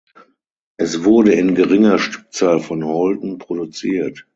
Es wurde in geringer Stückzahl von Holton produziert.